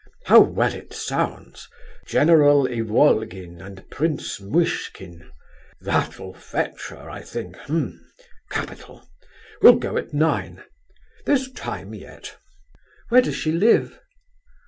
How well it sounds, 'General Ivolgin and Prince Muishkin.' That'll fetch her, I think, eh? Capital! We'll go at nine; there's time yet." "Where does she live?"